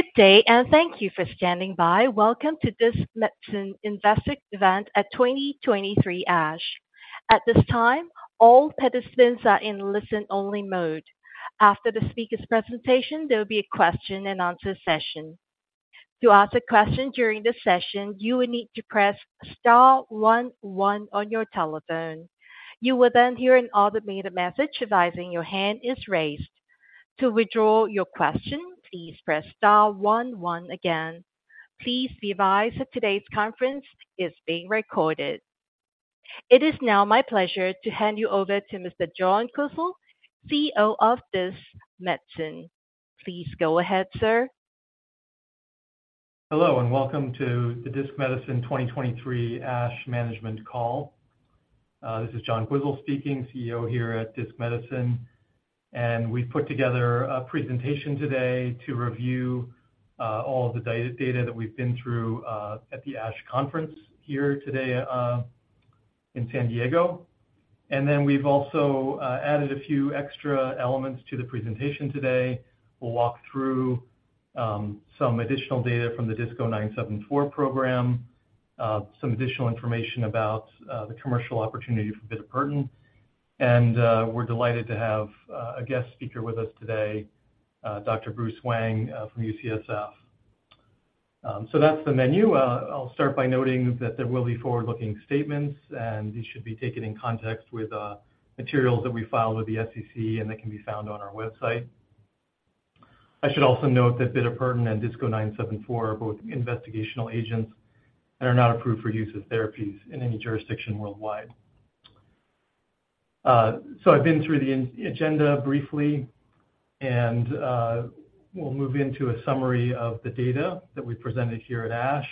Good day, and thank you for standing by. Welcome to this Disc Medicine Investor event at 2023 ASH. At this time, all participants are in listen-only mode. After the speaker's presentation, there will be a question-and-answer session. To ask a question during the session, you will need to press star one one on your telephone. You will then hear an automated message advising your hand is raised. To withdraw your question, please press star one one again. Please be advised that today's conference is being recorded. It is now my pleasure to hand you over to Mr. John Quisel, CEO of Disc Medicine. Please go ahead, sir. Hello, and welcome to the Disc Medicine 2023 ASH Management Call. This is John Quisel speaking, CEO here at Disc Medicine, and we've put together a presentation today to review all the data that we've been through at the ASH conference here today in San Diego. We've also added a few extra elements to the presentation today. We'll walk through some additional data from the DISC-0974 program, some additional information about the commercial opportunity for bitopertin, and we're delighted to have a guest speaker with us today, Dr. Bruce Wang from UCSF. So that's the menu. I'll start by noting that there will be forward-looking statements, and these should be taken in context with materials that we file with the SEC and that can be found on our website. I should also note that bitopertin and DISC-0974 are both investigational agents and are not approved for use as therapies in any jurisdiction worldwide. So I've been through the agenda briefly, and we'll move into a summary of the data that we presented here at ASH.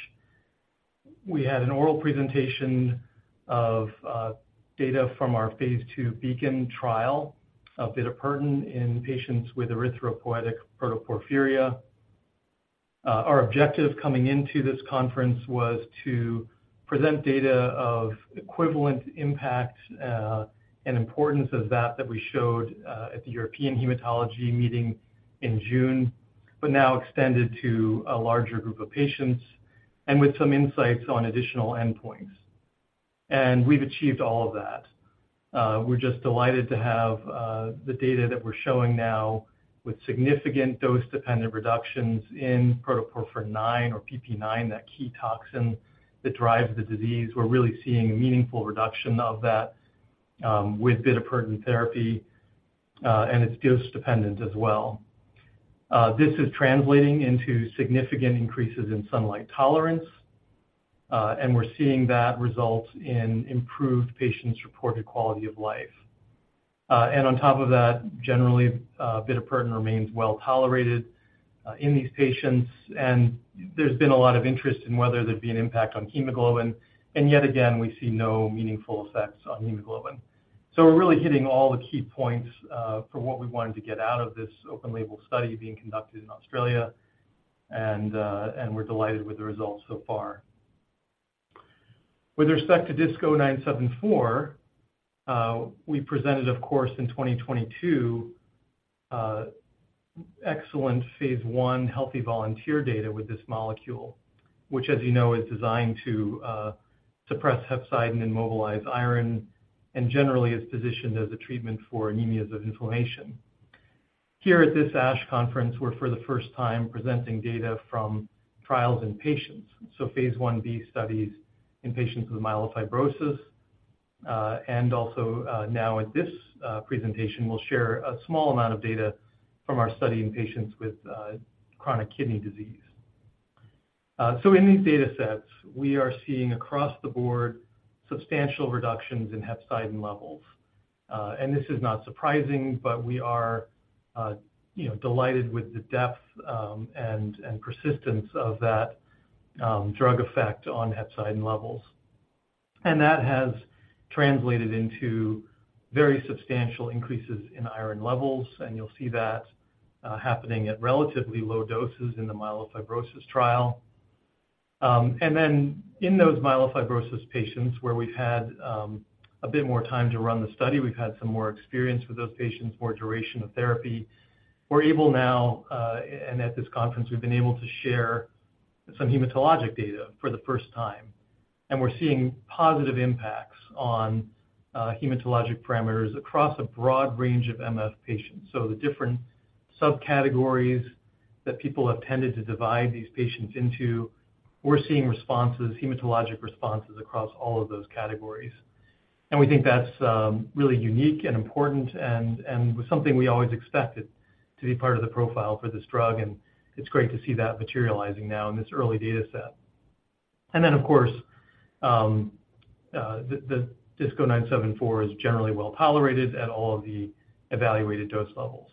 We had an oral presentation of data from our phase 2 BEACON trial of bitopertin in patients with erythropoietic protoporphyria. Our objective coming into this conference was to present data of equivalent impact and importance of that that we showed at the European Hematology Meeting in June, but now extended to a larger group of patients and with some insights on additional endpoints. We've achieved all of that. We're just delighted to have the data that we're showing now with significant dose-dependent reductions in protoporphyrin IX or PpIX, that key toxin that drives the disease. We're really seeing a meaningful reduction of that with bitopertin therapy, and it's dose-dependent as well. This is translating into significant increases in sunlight tolerance, and we're seeing that result in improved patients' reported quality of life. And on top of that, generally, bitopertin remains well tolerated in these patients, and there's been a lot of interest in whether there'd be an impact on hemoglobin. And yet again, we see no meaningful effects on hemoglobin. So we're really hitting all the key points for what we wanted to get out of this open label study being conducted in Australia, and we're delighted with the results so far. With respect to DISC-0974, we presented, of course, in 2022, excellent phase 1 healthy volunteer data with this molecule, which, as you know, is designed to suppress hepcidin and mobilize iron, and generally is positioned as a treatment for anemias of inflammation. Here at this ASH conference, we're for the first time presenting data from trials in patients, so phase 1b studies in patients with myelofibrosis. And also, now at this presentation, we'll share a small amount of data from our study in patients with chronic kidney disease. So in these datasets, we are seeing across the board substantial reductions in hepcidin levels. And this is not surprising, but we are, you know, delighted with the depth and persistence of that drug effect on hepcidin levels. And that has translated into very substantial increases in iron levels, and you'll see that happening at relatively low doses in the myelofibrosis trial. And then in those myelofibrosis patients, where we've had a bit more time to run the study, we've had some more experience with those patients, more duration of therapy. We're able now, and at this conference, we've been able to share some hematologic data for the first time, and we're seeing positive impacts on, hematologic parameters across a broad range of MF patients. So the different subcategories that people have tended to divide these patients into, we're seeing responses, hematologic responses, across all of those categories. And we think that's really unique and important and, and was something we always expected to be part of the profile for this drug, and it's great to see that materializing now in this early dataset. And then, of course, the DISC-0974 is generally well tolerated at all of the evaluated dose levels.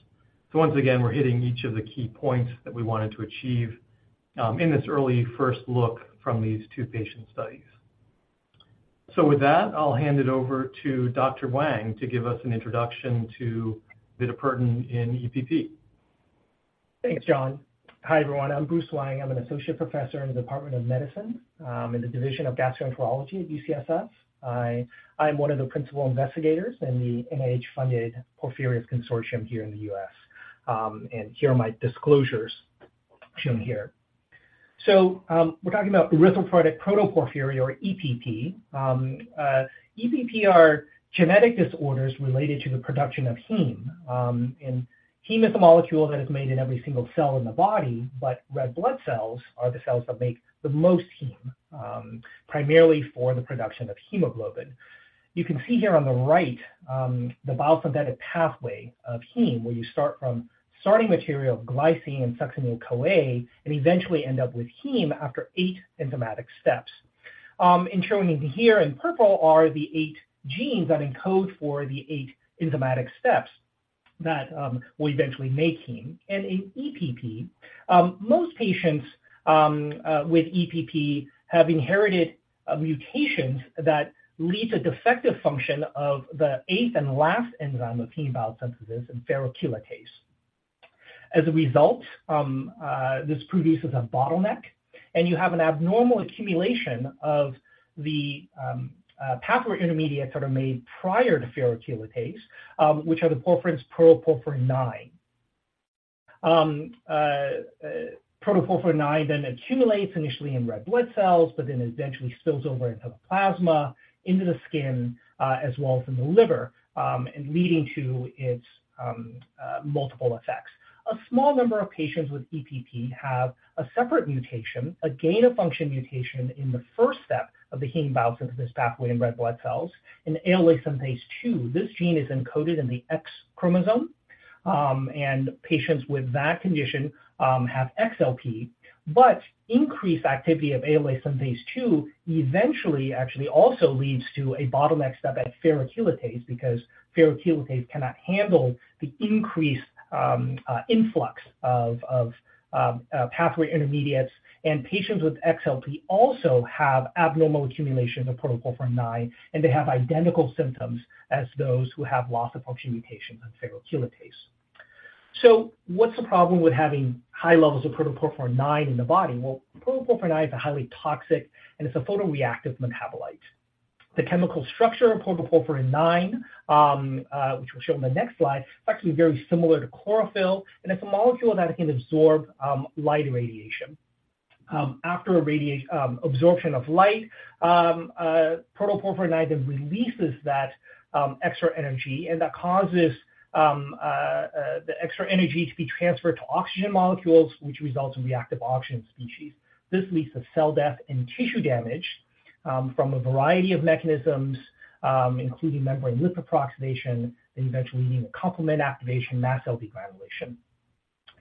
So once again, we're hitting each of the key points that we wanted to achieve, in this early first look from these two patient studies. With that, I'll hand it over to Dr. Wang to give us an introduction to bitopertin in EPP. Thanks, John. Hi, everyone. I'm Bruce Wang. I'm an associate professor in the Department of Medicine in the Division of Gastroenterology at UCSF. I am one of the principal investigators in the NIH-funded Porphyrias Consortium here in the US. And here are my disclosures shown here.... So, we're talking about erythropoietic protoporphyria or EPP. EPP are genetic disorders related to the production of heme. And heme is a molecule that is made in every single cell in the body, but red blood cells are the cells that make the most heme, primarily for the production of hemoglobin. You can see here on the right, the biosynthetic pathway of heme, where you start from starting material of glycine and succinyl-CoA, and eventually end up with heme after eight enzymatic steps. Shown in here in purple are the eight genes that encode for the eight enzymatic steps that will eventually make heme. In EPP, most patients with EPP have inherited mutations that lead to defective function of the eighth and last enzyme of heme biosynthesis in ferrochelatase. As a result, this produces a bottleneck, and you have an abnormal accumulation of the pathway intermediate sort of made prior to ferrochelatase, which are the porphyrins, protoporphyrin IX. Protoporphyrin IX then accumulates initially in red blood cells, but then eventually spills over into the plasma, into the skin, as well as in the liver, and leading to its multiple effects. A small number of patients with EPP have a separate mutation, a gain-of-function mutation in the first step of the heme biosynthesis pathway in red blood cells, in the ALAS2. This gene is encoded in the X chromosome, and patients with that condition have XLP. But increased activity of ALAS2 eventually actually also leads to a bottleneck step at ferrochelatase, because ferrochelatase cannot handle the increased influx of pathway intermediates. And patients with XLP also have abnormal accumulation of protoporphyrin IX, and they have identical symptoms as those who have loss-of-function mutation in ferrochelatase. So what's the problem with having high levels of protoporphyrin IX in the body? Well, protoporphyrin IX is a highly toxic, and it's a photoreactive metabolite. The chemical structure of protoporphyrin IX, which we'll show in the next slide, is actually very similar to chlorophyll, and it's a molecule that can absorb light radiation. After absorption of light, protoporphyrin IX then releases that extra energy, and that causes the extra energy to be transferred to oxygen molecules, which results in reactive oxygen species. This leads to cell death and tissue damage from a variety of mechanisms, including membrane lipid peroxidation, and eventually leading to complement activation, mast cell degranulation.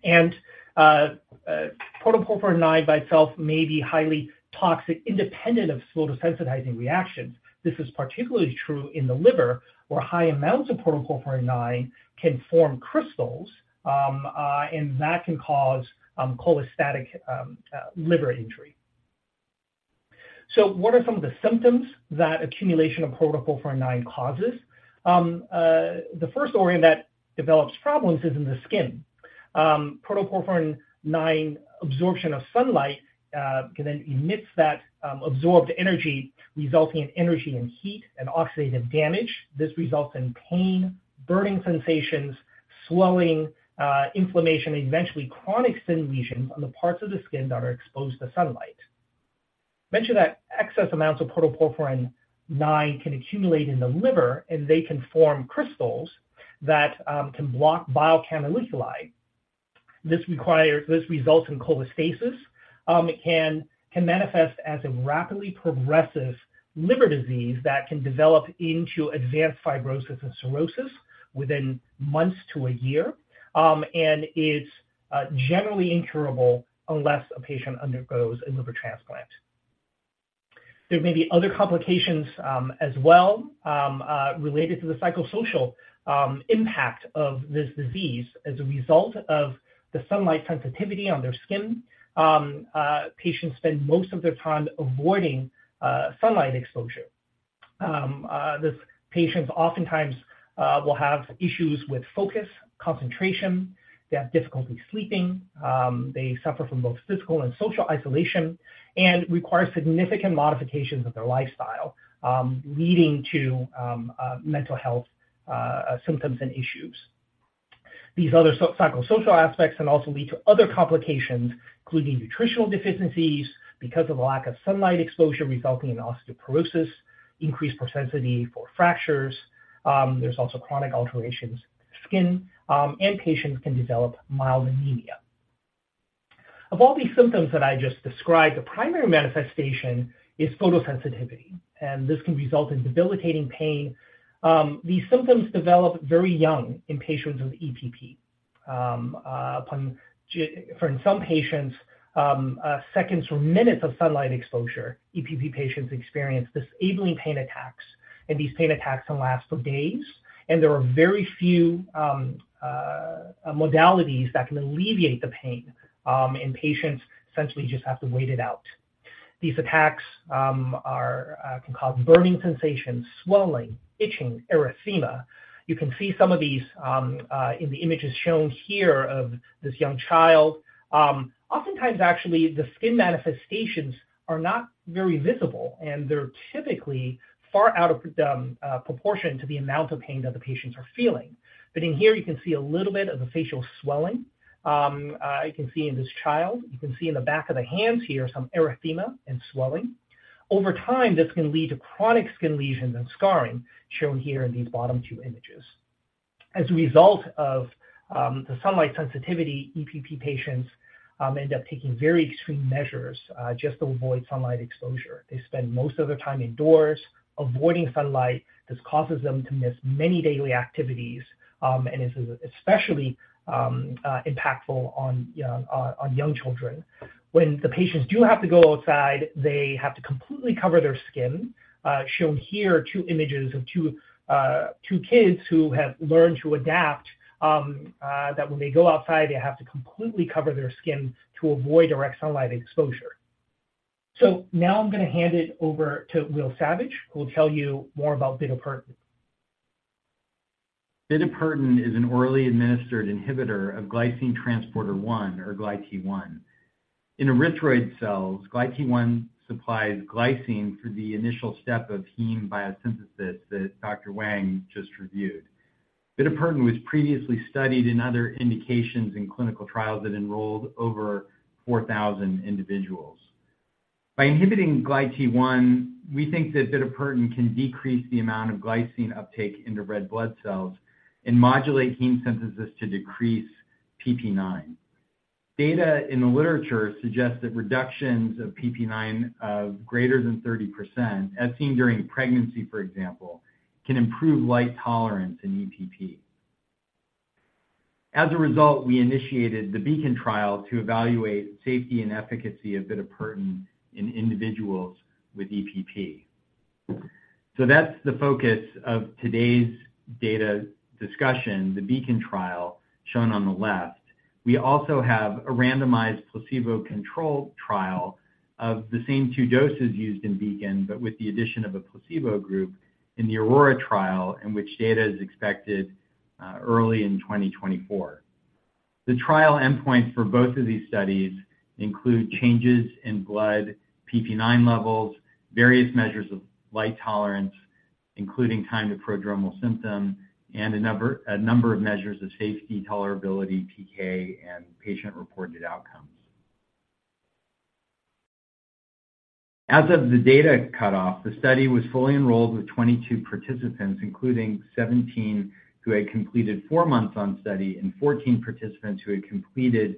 And protoporphyrin IX by itself may be highly toxic, independent of photosensitizing reactions. This is particularly true in the liver, where high amounts of protoporphyrin IX can form crystals, and that can cause cholestatic liver injury. So what are some of the symptoms that accumulation of protoporphyrin IX causes? The first organ that develops problems is in the skin. Protoporphyrin IX absorption of sunlight can then emits that absorbed energy, resulting in energy and heat and oxidative damage. This results in pain, burning sensations, swelling, inflammation, and eventually chronic skin lesions on the parts of the skin that are exposed to sunlight. Mention that excess amounts of protoporphyrin IX can accumulate in the liver, and they can form crystals that can block bile canaliculi. This results in cholestasis. It can manifest as a rapidly progressive liver disease that can develop into advanced fibrosis and cirrhosis within months to a year, and is generally incurable unless a patient undergoes a liver transplant. There may be other complications, as well, related to the psychosocial impact of this disease. As a result of the sunlight sensitivity on their skin, patients spend most of their time avoiding sunlight exposure. These patients oftentimes will have issues with focus, concentration. They have difficulty sleeping. They suffer from both physical and social isolation and require significant modifications of their lifestyle, leading to mental health symptoms and issues. These other psychosocial aspects can also lead to other complications, including nutritional deficiencies because of a lack of sunlight exposure, resulting in osteoporosis, increased propensity for fractures. There's also chronic alterations in skin, and patients can develop mild anemia. Of all these symptoms that I just described, the primary manifestation is photosensitivity, and this can result in debilitating pain. These symptoms develop very young in patients with EPP. For in some patients, seconds or minutes of sunlight exposure, EPP patients experience disabling pain attacks, and these pain attacks can last for days, and there are very few modalities that can alleviate the pain. And patients essentially just have to wait it out. These attacks can cause burning sensations, swelling, itching, erythema. You can see some of these in the images shown here of this young child. Oftentimes, actually, the skin manifestations are not very visible, and they're typically far out of proportion to the amount of pain that the patients are feeling. But in here, you can see a little bit of the facial swelling. You can see in this child, you can see in the back of the hands here, some erythema and swelling. Over time, this can lead to chronic skin lesions and scarring, shown here in these bottom two images. As a result of the sunlight sensitivity, EPP patients end up taking very extreme measures just to avoid sunlight exposure. They spend most of their time indoors, avoiding sunlight. This causes them to miss many daily activities and is especially impactful on young children. When the patients do have to go outside, they have to completely cover their skin. Shown here are two images of two kids who have learned to adapt that when they go outside, they have to completely cover their skin to avoid direct sunlight exposure. So now I'm going to hand it over to Will Savage, who will tell you more about bitopertin. Bitopertin is an orally administered inhibitor of glycine transporter one or GlyT1. In erythroid cells, GlyT1 supplies glycine for the initial step of heme biosynthesis that Dr. Wang just reviewed. Bitopertin was previously studied in other indications in clinical trials that enrolled over 4,000 individuals. By inhibiting GlyT1, we think that bitopertin can decrease the amount of glycine uptake into red blood cells and modulate heme synthesis to decrease PpIX. Data in the literature suggests that reductions of PpIX of greater than 30%, as seen during pregnancy, for example, can improve light tolerance in EPP. As a result, we initiated the BEACON trial to evaluate safety and efficacy of bitopertin in individuals with EPP. So that's the focus of today's data discussion, the BEACON trial, shown on the left. We also have a randomized placebo-controlled trial of the same two doses used in BEACON, but with the addition of a placebo group in the AURORA trial, in which data is expected early in 2024. The trial endpoints for both of these studies include changes in blood PpIX levels, various measures of light tolerance, including time to prodromal symptom, and a number of measures of safety, tolerability, PK, and patient-reported outcomes. As of the data cutoff, the study was fully enrolled with 22 participants, including 17 who had completed 4 months on study and 14 participants who had completed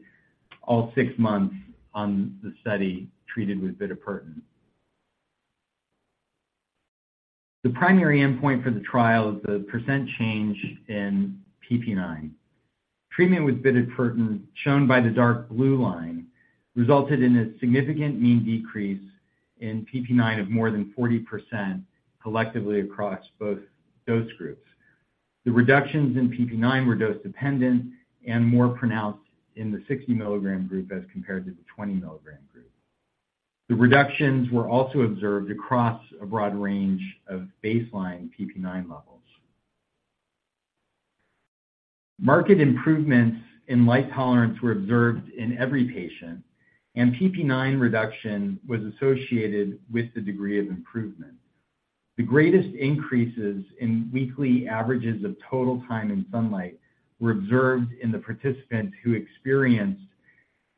all 6 months on the study treated with bitopertin. The primary endpoint for the trial is the % change in PpIX. Treatment with bitopertin, shown by the dark blue line, resulted in a significant mean decrease in PpIX of more than 40%, collectively across both dose groups. The reductions in PpIX were dose-dependent and more pronounced in the 60 mg group as compared to the 20 mg group. The reductions were also observed across a broad range of baseline PpIX levels. Marked improvements in light tolerance were observed in every patient, and PpIX reduction was associated with the degree of improvement. The greatest increases in weekly averages of total time in sunlight were observed in the participants who experienced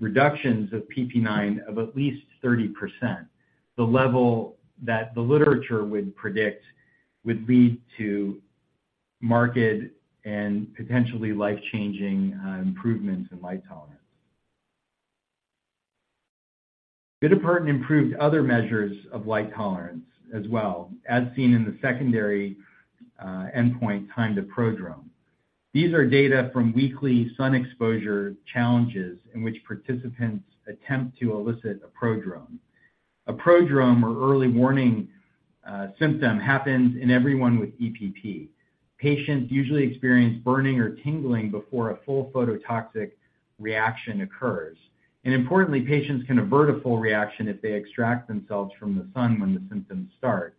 reductions of PpIX of at least 30%, the level that the literature would predict would lead to marked and potentially life-changing improvements in light tolerance. Bitopertin improved other measures of light tolerance as well, as seen in the secondary endpoint, time to prodrome. These are data from weekly sun exposure challenges in which participants attempt to elicit a prodrome. A prodrome or early warning, symptom happens in everyone with EPP. Patients usually experience burning or tingling before a full phototoxic reaction occurs, and importantly, patients can avert a full reaction if they extract themselves from the sun when the symptoms start.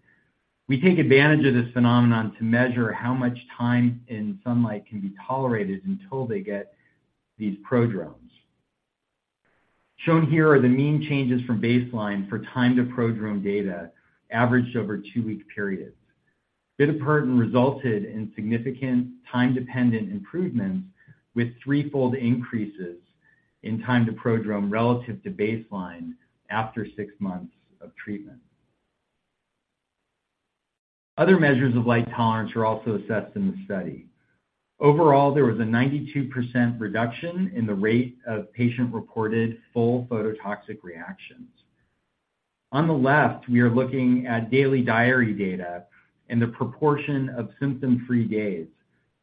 We take advantage of this phenomenon to measure how much time in sunlight can be tolerated until they get these prodromes. Shown here are the mean changes from baseline for time to prodrome data averaged over two-week periods. Bitopertin resulted in significant time-dependent improvements, with threefold increases in time to prodrome relative to baseline after six months of treatment. Other measures of light tolerance were also assessed in the study. Overall, there was a 92% reduction in the rate of patient-reported full phototoxic reactions. On the left, we are looking at daily diary data and the proportion of symptom-free days,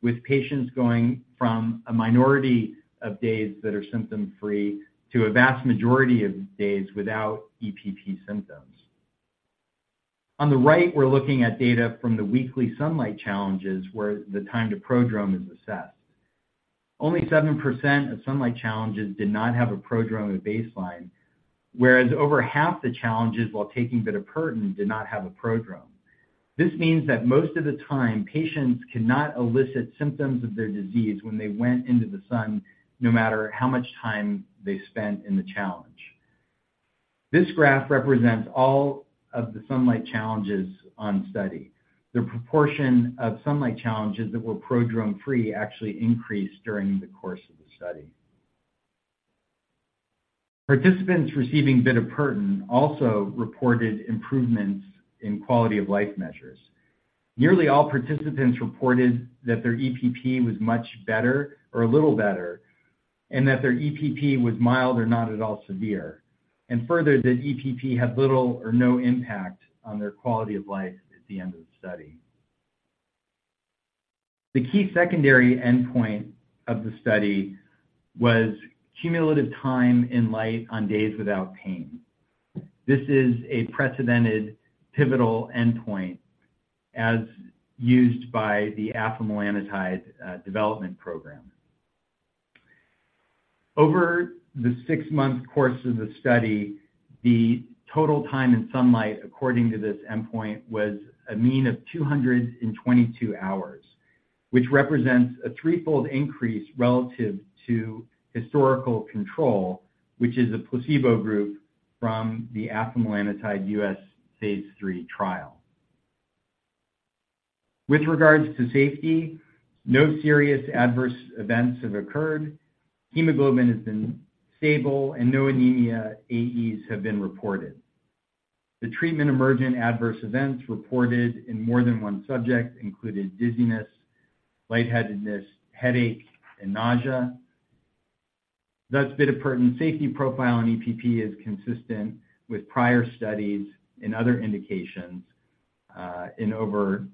with patients going from a minority of days that are symptom-free to a vast majority of days without EPP symptoms. On the right, we're looking at data from the weekly sunlight challenges, where the time to prodrome is assessed. Only 7% of sunlight challenges did not have a prodrome at baseline, whereas over half the challenges while taking bitopertin did not have a prodrome. This means that most of the time, patients cannot elicit symptoms of their disease when they went into the sun, no matter how much time they spent in the challenge. This graph represents all of the sunlight challenges on study. The proportion of sunlight challenges that were prodrome-free actually increased during the course of the study. Participants receiving bitopertin also reported improvements in quality of life measures. Nearly all participants reported that their EPP was much better or a little better, and that their EPP was mild or not at all severe, and further, that EPP had little or no impact on their quality of life at the end of the study. The key secondary endpoint of the study was cumulative time in light on days without pain. This is a precedented pivotal endpoint as used by the afamelanotide development program. Over the six-month course of the study, the total time in sunlight, according to this endpoint, was a mean of 222 hours, which represents a threefold increase relative to historical control, which is a placebo group from the afamelanotide U.S. phase 3 trial. With regards to safety, no serious adverse events have occurred, hemoglobin has been stable, and no anemia AEs have been reported. The treatment-emergent adverse events reported in more than one subject included dizziness, lightheadedness, headache, and nausea. Thus, bitopertin safety profile on EPP is consistent with prior studies and other indications in over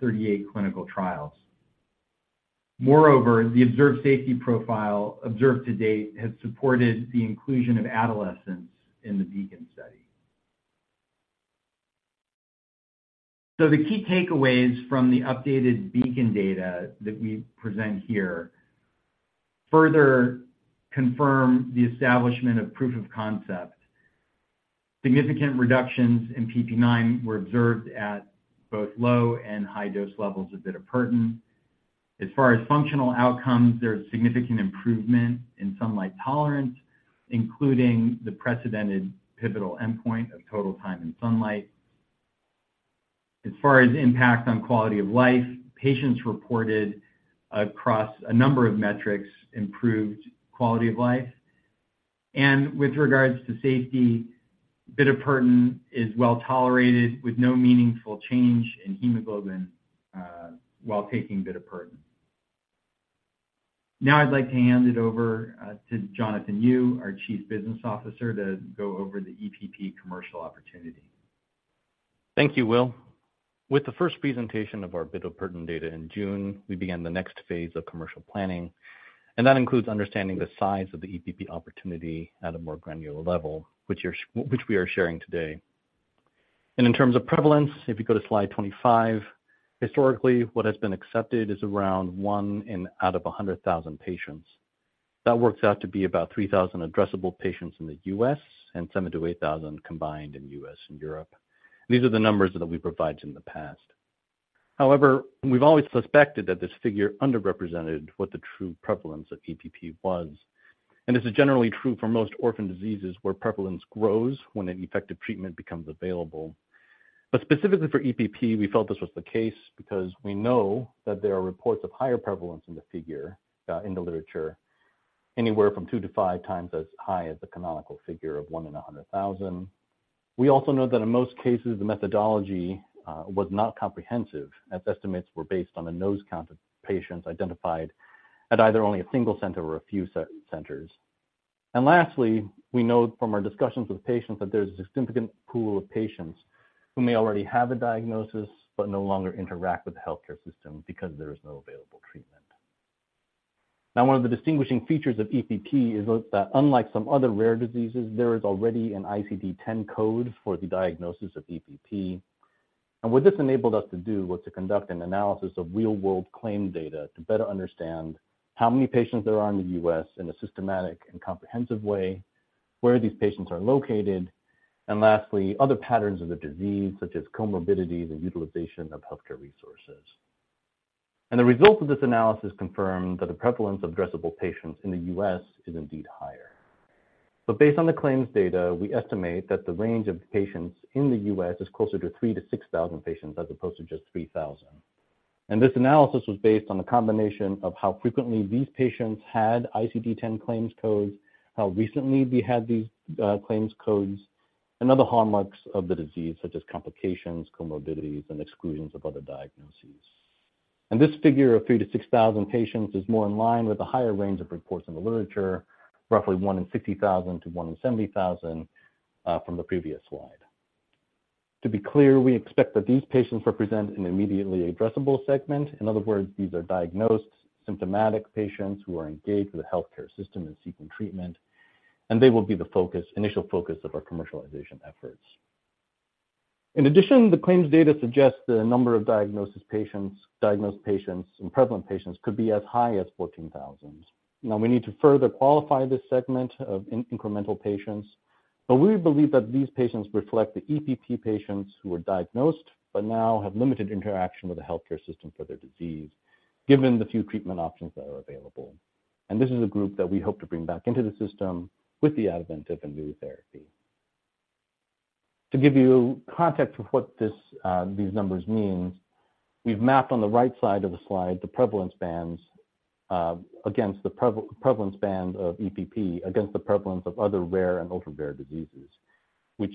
38 clinical trials. Moreover, the observed safety profile observed to date has supported the inclusion of adolescents in the BEACON study. So the key takeaways from the updated BEACON data that we present here further confirm the establishment of proof of concept. Significant reductions in PpIX were observed at both low and high dose levels of bitopertin. As far as functional outcomes, there's significant improvement in sunlight tolerance, including the precedented pivotal endpoint of total time in sunlight. As far as impact on quality of life, patients reported across a number of metrics, improved quality of life. And with regards to safety, bitopertin is well-tolerated, with no meaningful change in hemoglobin while taking bitopertin. Now, I'd like to hand it over to Jonathan Yu, our Chief Business Officer, to go over the EPP commercial opportunity. Thank you, Will. With the first presentation of our bitopertin data in June, we began the next phase of commercial planning, and that includes understanding the size of the EPP opportunity at a more granular level, which we are sharing today. In terms of prevalence, if you go to slide 25, historically, what has been accepted is around 1 in 100,000 patients. That works out to be about 3,000 addressable patients in the U.S. and 7,000-8,000 combined in U.S. and Europe. These are the numbers that we provided in the past. However, we've always suspected that this figure underrepresented what the true prevalence of EPP was. This is generally true for most orphan diseases, where prevalence grows when an effective treatment becomes available. But specifically for EPP, we felt this was the case because we know that there are reports of higher prevalence in the figure in the literature, anywhere from 2-5 times as high as the canonical figure of 1 in 100,000. We also know that in most cases, the methodology was not comprehensive, as estimates were based on a nose count of patients identified at either only a single center or a few centers. And lastly, we know from our discussions with patients that there's a significant pool of patients who may already have a diagnosis but no longer interact with the healthcare system because there is no available treatment. Now, one of the distinguishing features of EPP is that unlike some other rare diseases, there is already an ICD-10 code for the diagnosis of EPP. What this enabled us to do was to conduct an analysis of real-world claim data to better understand how many patients there are in the U.S. in a systematic and comprehensive way, where these patients are located, and lastly, other patterns of the disease, such as comorbidities and utilization of healthcare resources. The results of this analysis confirmed that the prevalence of addressable patients in the U.S. is indeed higher. Based on the claims data, we estimate that the range of patients in the U.S. is closer to 3,000-6,000 patients, as opposed to just 3,000. This analysis was based on a combination of how frequently these patients had ICD-10 claims codes, how recently they had these claims codes, and other hallmarks of the disease, such as complications, comorbidities, and exclusions of other diagnoses. This figure of 3,000-6,000 patients is more in line with the higher range of reports in the literature, roughly 1 in 60,000-70,000, from the previous slide. To be clear, we expect that these patients represent an immediately addressable segment. In other words, these are diagnosed, symptomatic patients who are engaged with the healthcare system and seeking treatment, and they will be the initial focus of our commercialization efforts. In addition, the claims data suggests that a number of diagnosed patients and prevalent patients could be as high as 14,000. Now, we need to further qualify this segment of incremental patients, but we believe that these patients reflect the EPP patients who were diagnosed but now have limited interaction with the healthcare system for their disease, given the few treatment options that are available. This is a group that we hope to bring back into the system with the advent of a new therapy. To give you context of what this, these numbers mean, we've mapped on the right side of the slide the prevalence bands, against the prevalence band of EPP, against the prevalence of other rare and ultra-rare diseases, which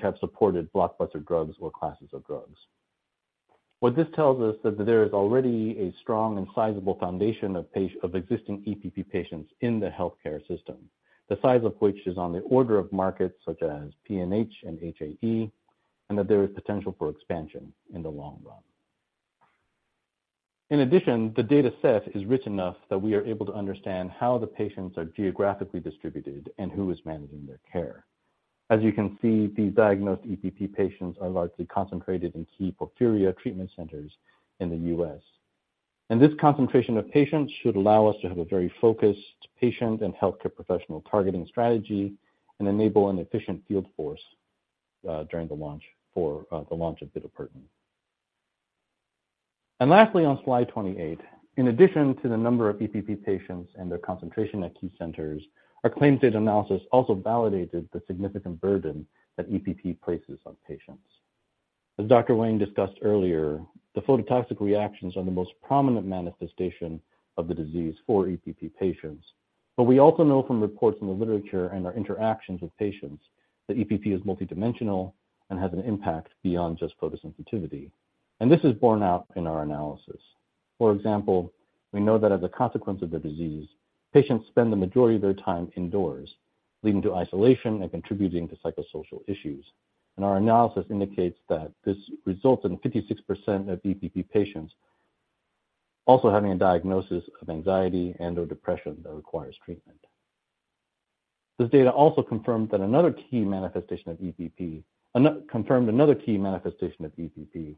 have supported blockbuster drugs or classes of drugs. What this tells us is that there is already a strong and sizable foundation of existing EPP patients in the healthcare system, the size of which is on the order of markets such as PNH and HAE, and that there is potential for expansion in the long run. In addition, the data set is rich enough that we are able to understand how the patients are geographically distributed and who is managing their care. As you can see, these diagnosed EPP patients are largely concentrated in key porphyria treatment centers in the U.S. This concentration of patients should allow us to have a very focused patient and healthcare professional targeting strategy and enable an efficient field force during the launch for the launch of bitopertin. Lastly, on slide 28, in addition to the number of EPP patients and their concentration at key centers, our claims data analysis also validated the significant burden that EPP places on patients. As Dr. Wang discussed earlier, the phototoxic reactions are the most prominent manifestation of the disease for EPP patients. We also know from reports in the literature and our interactions with patients that EPP is multidimensional and has an impact beyond just photosensitivity. This is borne out in our analysis. For example, we know that as a consequence of the disease, patients spend the majority of their time indoors, leading to isolation and contributing to psychosocial issues. Our analysis indicates that this results in 56% of EPP patients also having a diagnosis of anxiety and/or depression that requires treatment. This data also confirmed another key manifestation of EPP,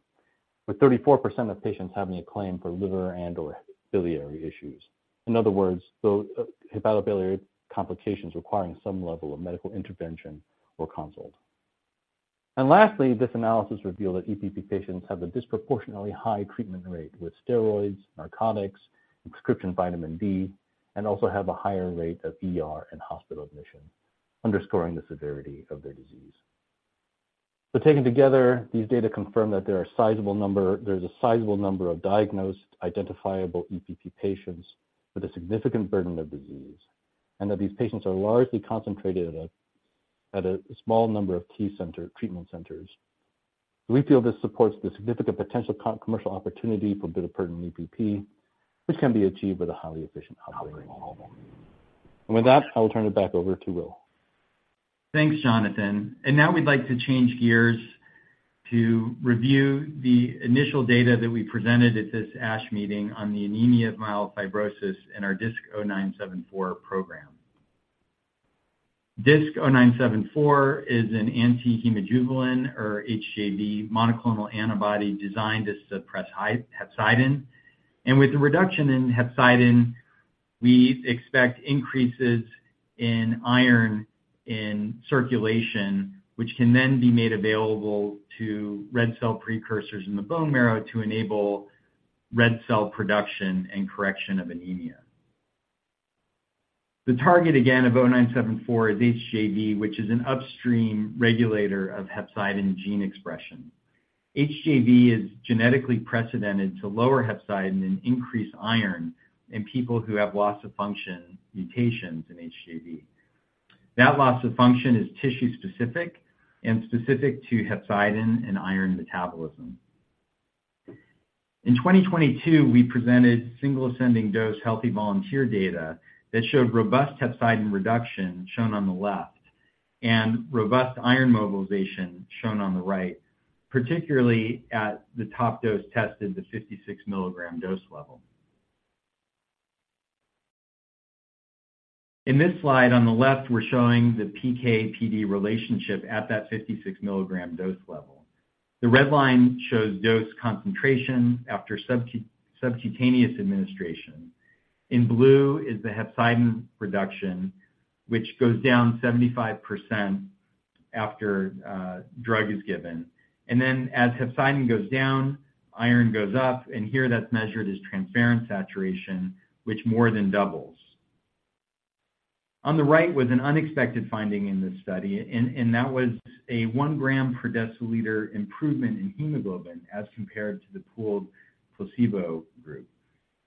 with 34% of patients having a claim for liver and/or biliary issues. In other words, those hepatobiliary complications requiring some level of medical intervention or consult. And lastly, this analysis revealed that EPP patients have a disproportionately high treatment rate with steroids, narcotics, and prescription vitamin D, and also have a higher rate of ER and hospital admission, underscoring the severity of their disease. So taken together, these data confirm that there is a sizable number of diagnosed, identifiable EPP patients with a significant burden of disease, and that these patients are largely concentrated at a small number of key treatment centers. We feel this supports the significant potential co-commercial opportunity for bitopertin in EPP, which can be achieved with a highly efficient operating model. With that, I will turn it back over to Will. Thanks, Jonathan. Now we'd like to change gears to review the initial data that we presented at this ASH meeting on the anemia of myelofibrosis in our DISC-0974 program. DISC-0974 is an anti-hemojuvelin or HJV monoclonal antibody designed to suppress hepcidin. With the reduction in hepcidin, we expect increases in iron in circulation, which can then be made available to red cell precursors in the bone marrow to enable red cell production and correction of anemia. The target, again, of 0974 is HJV, which is an upstream regulator of hepcidin gene expression. HJV is genetically precedented to lower hepcidin and increase iron in people who have loss-of-function mutations in HJV. That loss of function is tissue-specific and specific to hepcidin and iron metabolism. In 2022, we presented single ascending dose healthy volunteer data that showed robust hepcidin reduction, shown on the left, and robust iron mobilization, shown on the right, particularly at the top dose tested, the 56 mg dose level. In this slide, on the left, we're showing the PK/PD relationship at that 56 mg dose level. The red line shows dose concentration after subcutaneous administration. In blue is the hepcidin reduction, which goes down 75% after drug is given. And then as hepcidin goes down, iron goes up, and here that's measured as transferrin saturation, which more than doubles. On the right was an unexpected finding in this study, and that was a 1 gram per deciliter improvement in hemoglobin as compared to the pooled placebo group.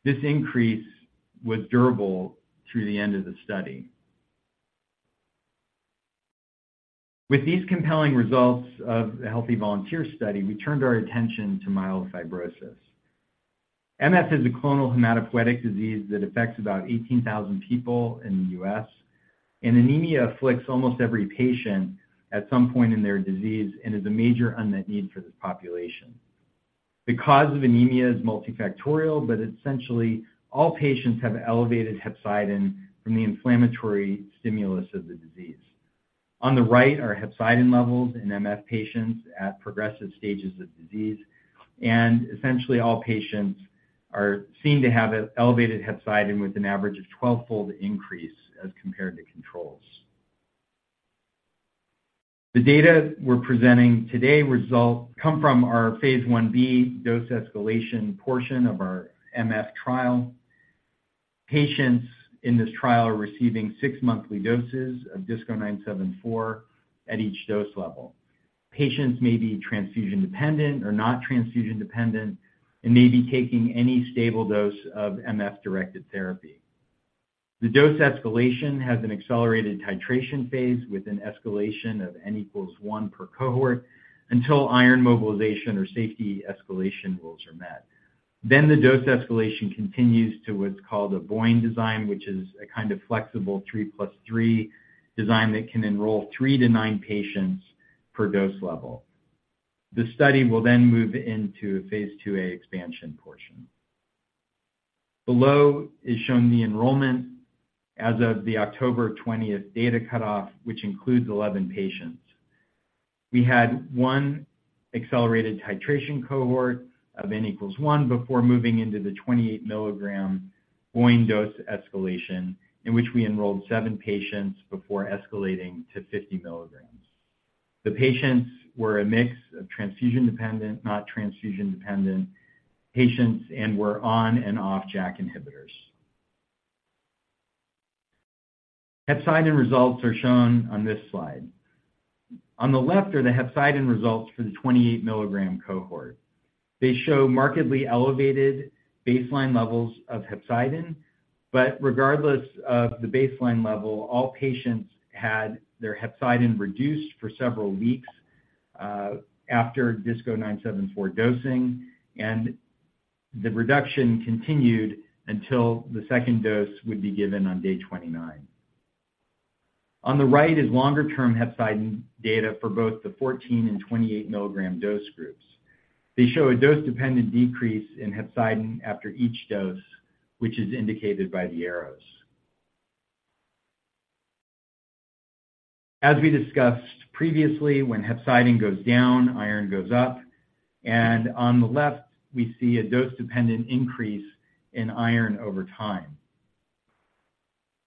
This increase was durable through the end of the study. With these compelling results of the healthy volunteer study, we turned our attention to myelofibrosis. MF is a clonal hematopoietic disease that affects about 18,000 people in the US, and anemia afflicts almost every patient at some point in their disease and is a major unmet need for this population. The cause of anemia is multifactorial, but essentially, all patients have elevated hepcidin from the inflammatory stimulus of the disease. On the right are hepcidin levels in MF patients at progressive stages of disease, and essentially all patients are seen to have an elevated hepcidin with an average of 12-fold increase as compared to controls. The data we're presenting today come from our phase Ib dose escalation portion of our MF trial. Patients in this trial are receiving 6 monthly doses of DISC-0974 at each dose level. Patients may be transfusion-dependent or not transfusion-dependent and may be taking any stable dose of MF-directed therapy. The dose escalation has an accelerated titration phase with an escalation of N=1 per cohort until iron mobilization or safety escalation rules are met. Then the dose escalation continues to what's called a BOIN design, which is a kind of flexible 3+3 design that can enroll 3-9 patients per dose level. The study will then move into a phase 2a expansion portion. Below is shown the enrollment as of the October 20 data cutoff, which includes 11 patients. We had 1 accelerated titration cohort of N=1 before moving into the 28-milligram BOIN dose escalation, in which we enrolled 7 patients before escalating to 50 milligrams. The patients were a mix of transfusion-dependent, not transfusion-dependent patients, and were on and off JAK inhibitors. Hepcidin results are shown on this slide. On the left are the hepcidin results for the 28 milligram cohort. They show markedly elevated baseline levels of hepcidin, but regardless of the baseline level, all patients had their hepcidin reduced for several weeks after DISC-0974 dosing, and the reduction continued until the second dose would be given on day 29. On the right is longer-term hepcidin data for both the 14 and 28 milligram dose groups. They show a dose-dependent decrease in hepcidin after each dose, which is indicated by the arrows. As we discussed previously, when hepcidin goes down, iron goes up, and on the left, we see a dose-dependent increase in iron over time.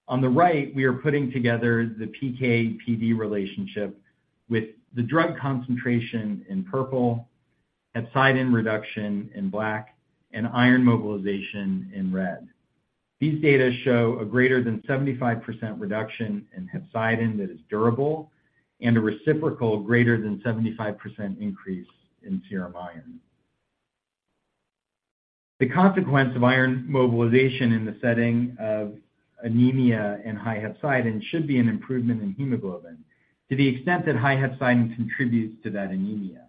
On the right, we are putting together the PK/PD relationship with the drug concentration in purple, hepcidin reduction in black, and iron mobilization in red. These data show a greater than 75% reduction in hepcidin that is durable and a reciprocal greater than 75% increase in serum iron. The consequence of iron mobilization in the setting of anemia and high hepcidin should be an improvement in hemoglobin, to the extent that high hepcidin contributes to that anemia.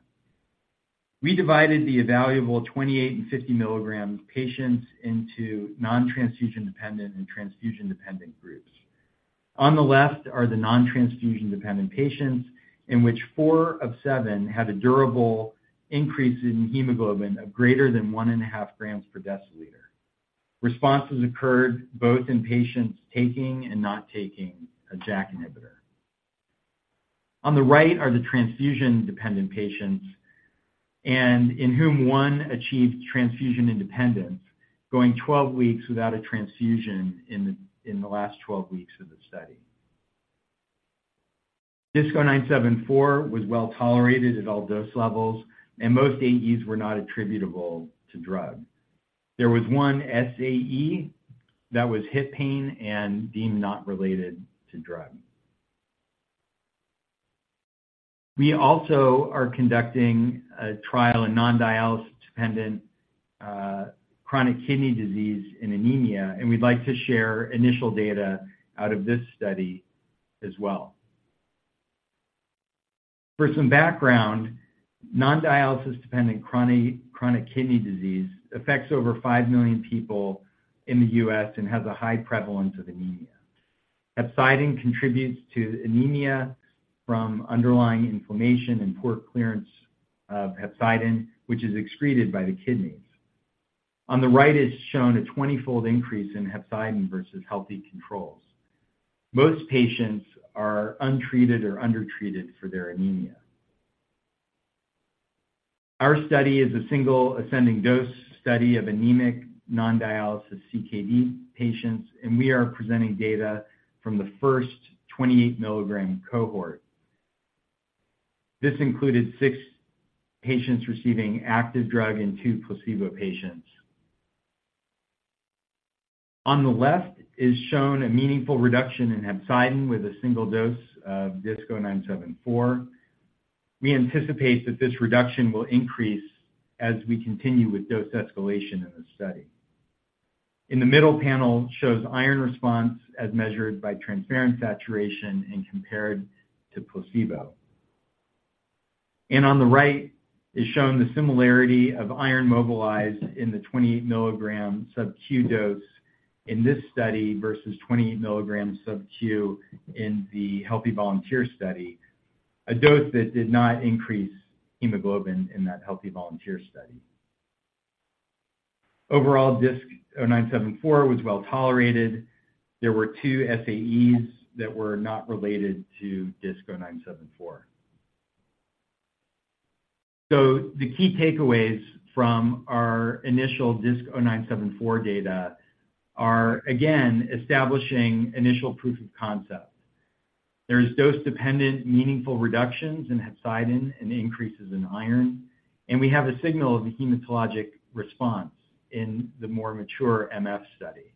We divided the evaluable 28 and 50 milligram patients into non-transfusion-dependent and transfusion-dependent groups. On the left are the non-transfusion-dependent patients, in which 4 of 7 had a durable increase in hemoglobin of greater than 1.5 grams per deciliter. Responses occurred both in patients taking and not taking a JAK inhibitor. On the right are the transfusion-dependent patients, and in whom 1 achieved transfusion independence, going 12 weeks without a transfusion in the last 12 weeks of the study. DISC-0974 was well tolerated at all dose levels, and most AEs were not attributable to drug. There was one SAE that was hip pain and deemed not related to drug. We also are conducting a trial in non-dialysis-dependent chronic kidney disease and anemia, and we'd like to share initial data out of this study as well. For some background, non-dialysis-dependent chronic kidney disease affects over 5 million people in the U.S. and has a high prevalence of anemia. Hepcidin contributes to anemia from underlying inflammation and poor clearance of hepcidin, which is excreted by the kidneys. On the right is shown a 20-fold increase in hepcidin versus healthy controls. Most patients are untreated or undertreated for their anemia. Our study is a single ascending dose study of anemic non-dialysis CKD patients, and we are presenting data from the first 28 milligram cohort. This included 6 patients receiving active drug and 2 placebo patients. On the left is shown a meaningful reduction in hepcidin with a single dose of DISC-0974. We anticipate that this reduction will increase as we continue with dose escalation in this study. In the middle panel shows iron response as measured by transferrin saturation and compared to placebo. And on the right is shown the similarity of iron mobilized in the 28 milligram sub-Q dose in this study versus 28 milligram sub-Q in the healthy volunteer study, a dose that did not increase hemoglobin in that healthy volunteer study. Overall, DISC-0974 was well tolerated. There were 2 SAEs that were not related to DISC-0974. So the key takeaways from our initial DISC-0974 data are, again, establishing initial proof of concept.... There is dose-dependent meaningful reductions in hepcidin and increases in iron, and we have a signal of the hematologic response in the more mature MF study.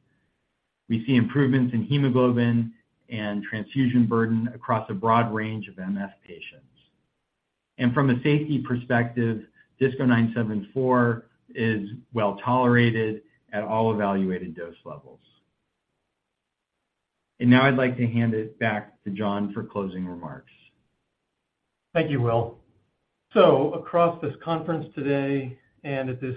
We see improvements in hemoglobin and transfusion burden across a broad range of MF patients. And from a safety perspective, DISC-0974 is well tolerated at all evaluated dose levels. And now I'd like to hand it back to John for closing remarks. Thank you, Will. So across this conference today and at this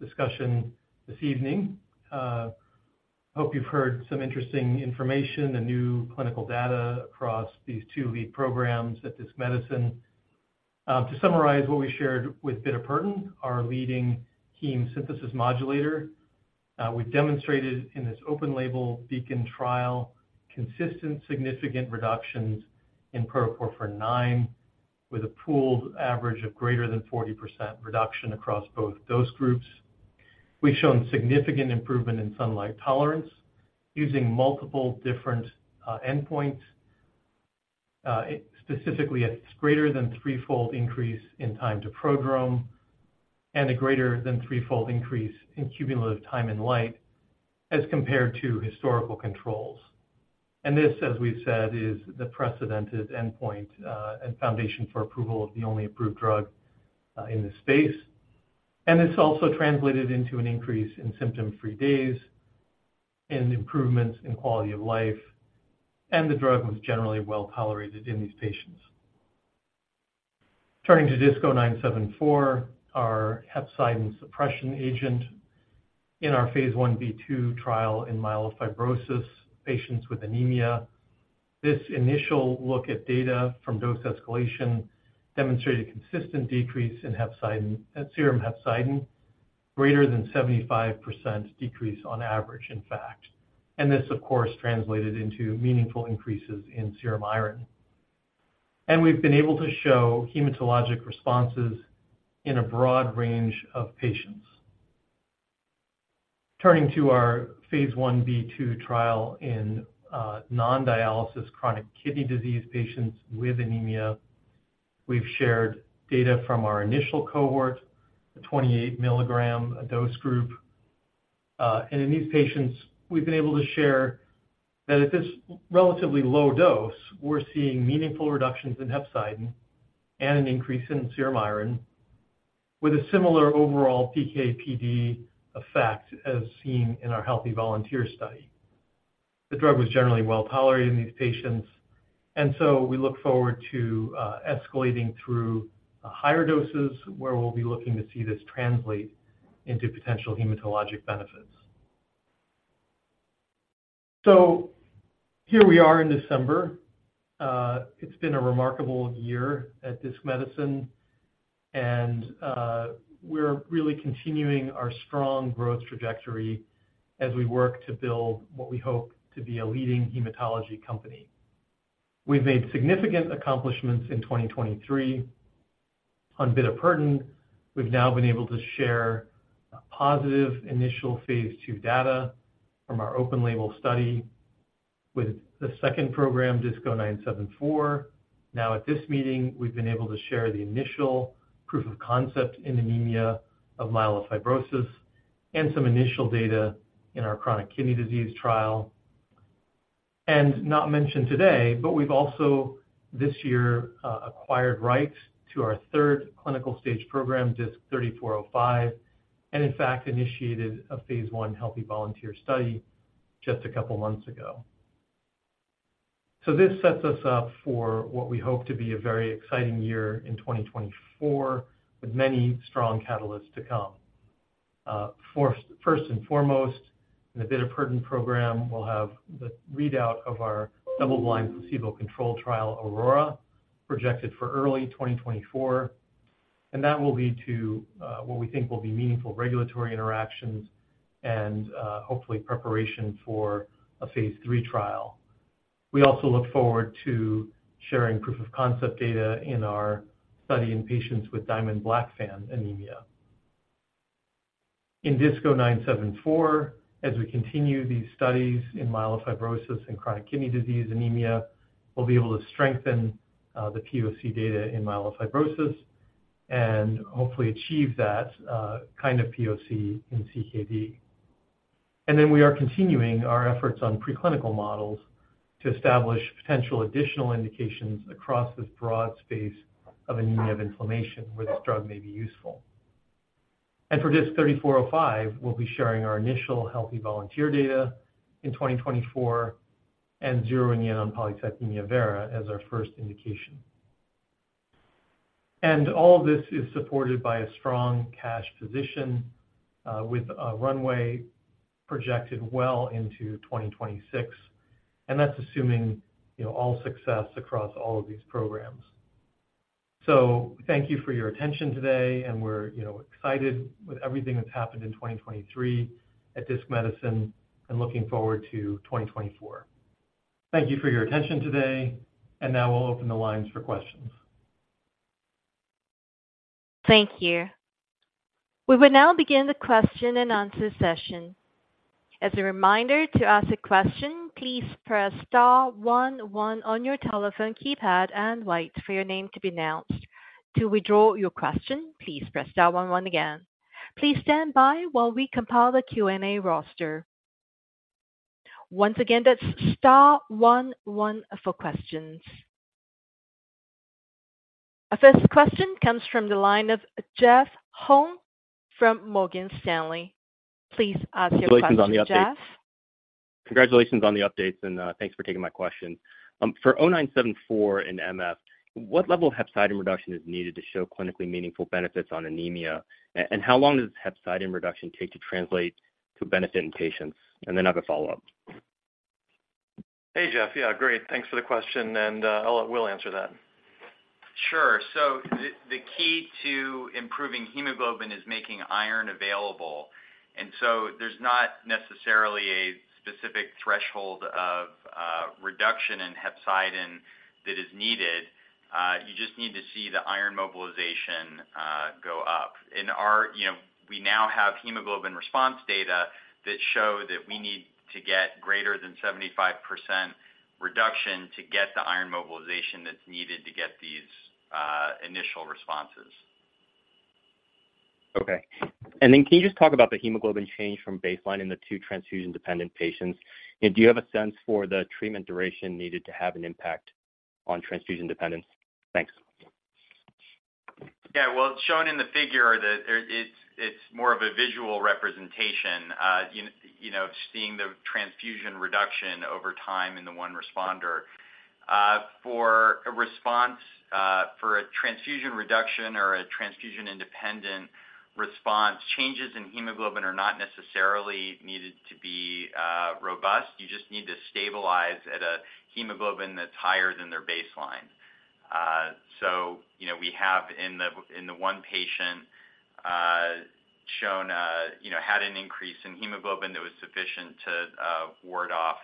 discussion this evening, hope you've heard some interesting information and new clinical data across these two lead programs at Disc Medicine. To summarize what we shared with bitopertin, our leading heme synthesis modulator, we've demonstrated in this open-label BEACON trial, consistent significant reductions in protoporphyrin IX, with a pooled average of greater than 40% reduction across both dose groups. We've shown significant improvement in sunlight tolerance using multiple different endpoints. Specifically, a greater than threefold increase in time to prodrome, and a greater than threefold increase in cumulative time in light as compared to historical controls. And this, as we've said, is the precedented endpoint, and foundation for approval of the only approved drug, in this space. It's also translated into an increase in symptom-free days and improvements in quality of life, and the drug was generally well tolerated in these patients. Turning to DISC-0974, our hepcidin suppression agent in our phase 1b/2 trial in myelofibrosis patients with anemia. This initial look at data from dose escalation demonstrated a consistent decrease in hepcidin, at serum hepcidin, greater than 75% decrease on average, in fact. And this, of course, translated into meaningful increases in serum iron. And we've been able to show hematologic responses in a broad range of patients. Turning to our phase 1b/2 trial in non-dialysis chronic kidney disease patients with anemia, we've shared data from our initial cohort, a 28 milligram dose group. And in these patients, we've been able to share that at this relatively low dose, we're seeing meaningful reductions in hepcidin and an increase in serum iron, with a similar overall PK/PD effect as seen in our healthy volunteer study. The drug was generally well tolerated in these patients, and so we look forward to escalating through higher doses, where we'll be looking to see this translate into potential hematologic benefits. So here we are in December. It's been a remarkable year at Disc Medicine, and we're really continuing our strong growth trajectory as we work to build what we hope to be a leading hematology company. We've made significant accomplishments in 2023. On bitopertin, we've now been able to share positive initial phase 2 data from our open label study with the second program, DISC-0974. Now, at this meeting, we've been able to share the initial proof of concept in anemia of myelofibrosis and some initial data in our chronic kidney disease trial. And not mentioned today, but we've also, this year, acquired rights to our third clinical stage program, DISC-3405, and in fact, initiated a phase 1 healthy volunteer study just a couple months ago. So this sets us up for what we hope to be a very exciting year in 2024, with many strong catalysts to come. First and foremost, in the bitopertin program, we'll have the readout of our double-blind placebo-controlled trial, AURORA, projected for early 2024, and that will lead to, what we think will be meaningful regulatory interactions and, hopefully, preparation for a phase 3 trial. We also look forward to sharing proof of concept data in our study in patients with Diamond-Blackfan anemia. In DISC-0974, as we continue these studies in myelofibrosis and chronic kidney disease anemia, we'll be able to strengthen the POC data in myelofibrosis and hopefully achieve that kind of POC in CKD. And then we are continuing our efforts on preclinical models to establish potential additional indications across this broad space of anemia of inflammation, where this drug may be useful. And for DISC-3405, we'll be sharing our initial healthy volunteer data in 2024 and zeroing in on polycythemia vera as our first indication. And all this is supported by a strong cash position with a runway projected well into 2026, and that's assuming, you know, all success across all of these programs. So thank you for your attention today, and we're, you know, excited with everything that's happened in 2023 at Disc Medicine and looking forward to 2024. Thank you for your attention today, and now we'll open the lines for questions. ... Thank you. We will now begin the question-and-answer session. As a reminder, to ask a question, please press star one one on your telephone keypad and wait for your name to be announced. To withdraw your question, please press star one one again. Please stand by while we compile the Q&A roster. Once again, that's star one one for questions. Our first question comes from the line of Jeff Hung from Morgan Stanley. Please ask your question, Jeff. Congratulations on the updates, and thanks for taking my question. For 0974 and MF, what level of hepcidin reduction is needed to show clinically meaningful benefits on anemia? And how long does hepcidin reduction take to translate to benefit in patients? And then I have a follow-up. Hey, Jeff. Yeah, great. Thanks for the question, and, Will, answer that. Sure. So the key to improving hemoglobin is making iron available, and so there's not necessarily a specific threshold of reduction in hepcidin that is needed. You just need to see the iron mobilization go up. In our... You know, we now have hemoglobin response data that show that we need to get greater than 75% reduction to get the iron mobilization that's needed to get these initial responses. Okay. And then, can you just talk about the hemoglobin change from baseline in the two transfusion-dependent patients? And do you have a sense for the treatment duration needed to have an impact on transfusion dependence? Thanks. Yeah. Well, it's shown in the figure. It's more of a visual representation, you know, seeing the transfusion reduction over time in the one responder. For a response, for a transfusion reduction or a transfusion-independent response, changes in hemoglobin are not necessarily needed to be robust. You just need to stabilize at a hemoglobin that's higher than their baseline. So, you know, we have in the one patient shown a, you know, had an increase in hemoglobin that was sufficient to ward off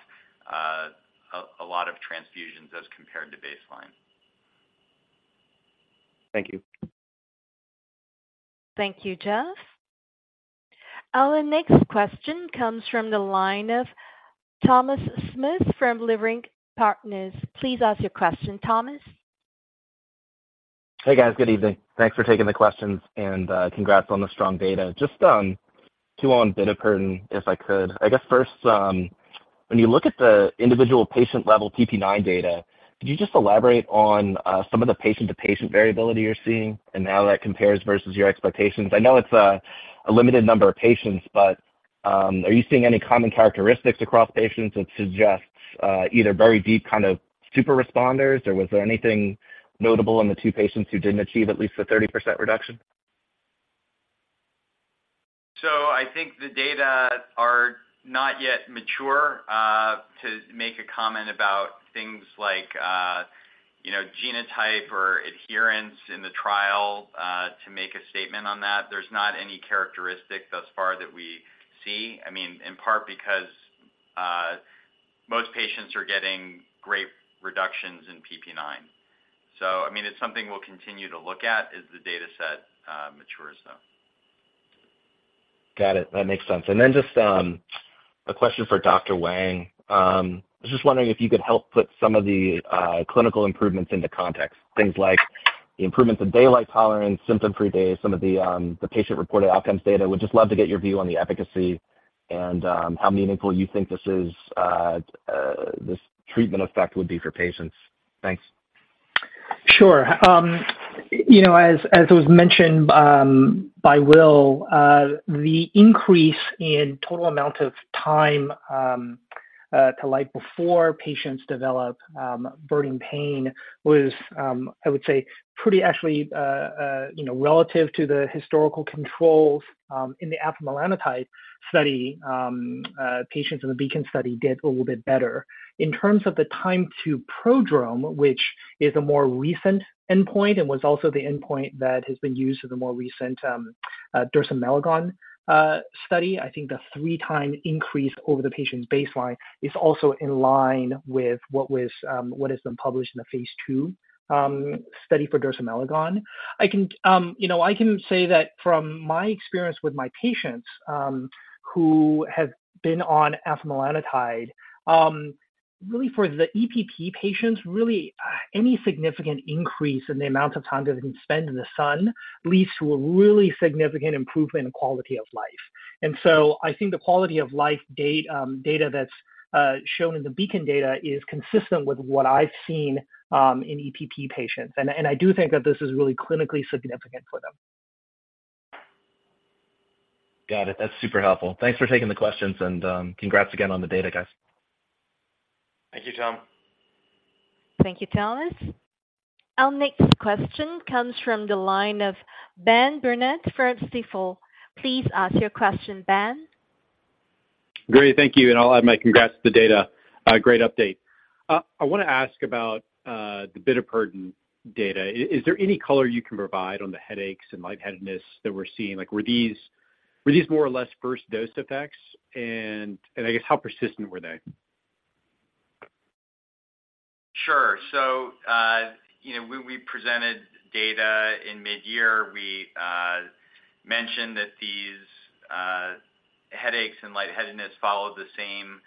a lot of transfusions as compared to baseline. Thank you. Thank you, Jeff. Our next question comes from the line of Thomas Smith from Leerink Partners. Please ask your question, Thomas. Hey, guys. Good evening. Thanks for taking the questions, and, congrats on the strong data. Just, two on bitopertin, if I could. I guess first, when you look at the individual patient-level PpIX data, could you just elaborate on, some of the patient-to-patient variability you're seeing and how that compares versus your expectations? I know it's a limited number of patients, but, are you seeing any common characteristics across patients that suggests, either very deep kind of super responders, or was there anything notable in the two patients who didn't achieve at least the 30% reduction? So I think the data are not yet mature, to make a comment about things like, you know, genotype or adherence in the trial, to make a statement on that. There's not any characteristic thus far that we see. I mean, in part because, most patients are getting great reductions in PpIX. So, I mean, it's something we'll continue to look at as the dataset, matures, though. Got it. That makes sense. And then just a question for Dr. Wang. I was just wondering if you could help put some of the clinical improvements into context. Things like the improvements in daylight tolerance, symptom-free days, some of the patient-reported outcomes data. Would just love to get your view on the efficacy and how meaningful you think this is, this treatment effect would be for patients. Thanks. Sure. You know, as it was mentioned by Will, the increase in total amount of time to light before patients develop burning pain was, I would say, pretty actually, you know, relative to the historical controls in the afamelanotide study, patients in the BEACON study did a little bit better. In terms of the time to prodrome, which is a more recent endpoint and was also the endpoint that has been used in the more recent dersimelagon study, I think the 3-time increase over the patient's baseline is also in line with what has been published in the phase 2 study for dersimelagon. I can, you know, I can say that from my experience with my patients, who have been on afamelanotide, really for the EPP patients, really, any significant increase in the amount of time that they can spend in the sun, leads to a really significant improvement in quality of life. And so I think the quality-of-life data that's shown in the BEACON data is consistent with what I've seen, in EPP patients. And I do think that this is really clinically significant for them. Got it. That's super helpful. Thanks for taking the questions, and, congrats again on the data, guys. Thank you, Tom. Thank you, Thomas. Our next question comes from the line of Ben Burnett from Stifel. Please ask your question, Ben. Great, thank you, and I'll add my congrats to the data. Great update. I want to ask about the bitopertin data. Is there any color you can provide on the headaches and lightheadedness that we're seeing? Like, were these more or less first dose effects? And I guess how persistent were they? ... Sure. So, you know, when we presented data in mid-year, we mentioned that these headaches and lightheadedness followed the same